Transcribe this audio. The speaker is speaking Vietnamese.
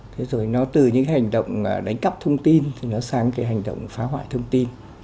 thế rồi nó từ những cái hành động đánh cắp thông tin nó sang cái hành động phá hoại thông tin